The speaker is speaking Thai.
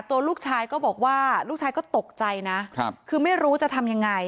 ตัวลูกชายก็บอกว่าลูกชายก็ตกใจนะคือไม่รู้จะทำยังไง